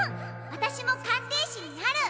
私も鑑定士になる！